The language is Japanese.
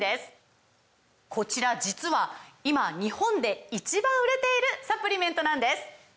こちら実は今日本で１番売れているサプリメントなんです！